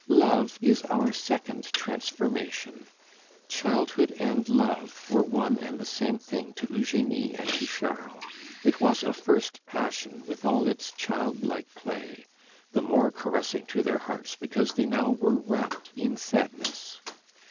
Love is our second transformation. Childhood and love were one and the same thing to Eugenie and to Charles; it was a first passion, with all its child like play, the more caressing to their hearts because they now were wrapped in sadness.